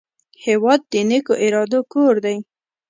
هېواد د نیکو ارادو کور دی.